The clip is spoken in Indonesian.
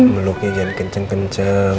beluknya jangan kenceng kenceng